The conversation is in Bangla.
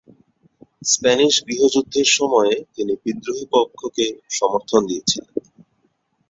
স্প্যানিশ গৃহ যুদ্ধের সময়ে তিনি বিদ্রোহী পক্ষকে সমর্থন দিয়েছিলেন।